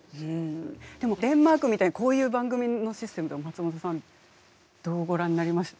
でもデンマークみたいにこういう番組のシステムでは松本さんどうご覧になりました？